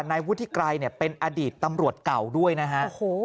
ในวุฒิไกรเป็นอดีตตำรวจเก่าด้วยนะฮะ